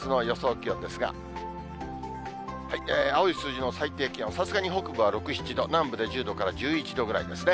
気温ですが、青い数字の最低気温、さすがに北部は６、７度、南部で１０度から１１度ぐらいですね。